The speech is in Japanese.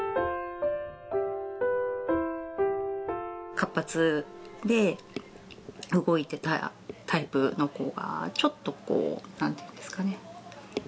活発で動いていたタイプの子がちょっとこうなんていうんですかね